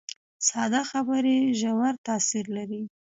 ساده خبرې ژور تاثیر لري